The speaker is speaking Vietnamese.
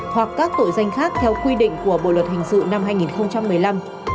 hoặc các tội danh khác theo quy định của bộ luật hình sự năm hai nghìn một mươi năm